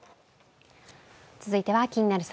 続いては「気になる！